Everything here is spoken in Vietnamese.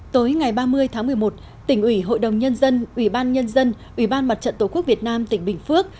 tối ngày ba mươi tháng một mươi một tỉnh ủy hội đồng nhân dân ủy ban nhân dân ủy ban mặt trận tổ quốc việt nam tỉnh bình phước